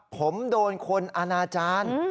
ผมโดนคนอนาจารย์